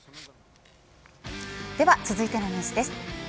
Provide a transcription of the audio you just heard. では、続いてのニュースです。